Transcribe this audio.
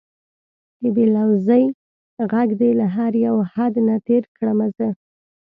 د بې لوظۍ غږ دې له هر یو حد نه تېر کړمه زه